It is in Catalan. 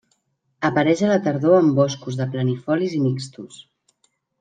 Apareix a la tardor en boscos de planifolis i mixtos.